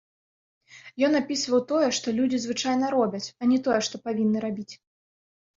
Ён апісваў тое, што людзі звычайна робяць, а не тое, што павінны рабіць.